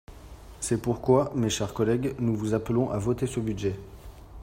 C’est pourquoi, mes chers collègues, nous vous appelons à voter ce budget.